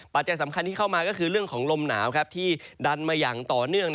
จัยสำคัญที่เข้ามาก็คือเรื่องของลมหนาวที่ดันมาอย่างต่อเนื่อง